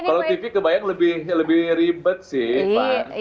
kalau tv kebayang lebih ribet sih pak